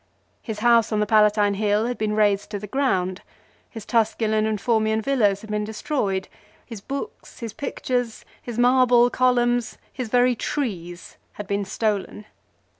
His house on the Palatine Hill had been rased to the ground. His Tusculan and Formian villas had been destroyed. His books, his pictures, his marble columns, his very trees had been stolen.